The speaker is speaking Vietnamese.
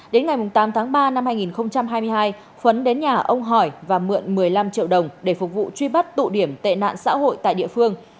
đến ngày tám tháng ba năm hai nghìn hai mươi hai khuấn đến nhà ông hỏi và mượn một mươi năm triệu đồng để phục vụ truy bắt tụ điểm tệ nạn xã hội tại địa phương